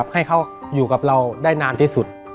ให้เขาอยู่กับเราได้นานที่สุด